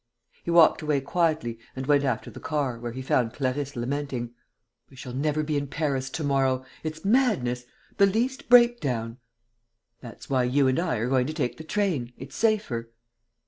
He walked away quietly and went after the car, where he found Clarisse lamenting: "We shall never be in Paris to morrow! It's madness! The least breakdown...." "That's why you and I are going to take the train. It's safer...."